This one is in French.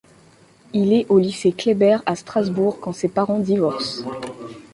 Il est au lycée Kléber à Strasbourg quand ses parents divorcent.